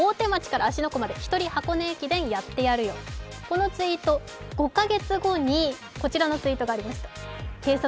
このツイート、５か月後にこちらのツイートがありました。